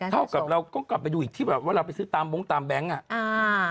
เท่ากับเราก็กลับไปดูอีกที่แบบว่าเราไปซื้อตามโบ๊งตามแบงค์